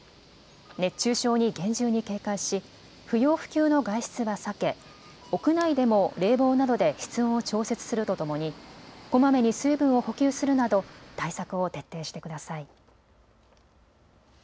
熱中症に厳重に警戒し不要不急の外出は避け、屋内でも冷房などで室温を調節するとともにこまめに水分を補給するなど対策を徹底してください。